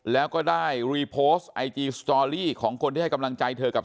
แล้วก็ได้รีโพสต์ไอจีสตอรี่ของคนที่ให้กำลังใจเธอกับ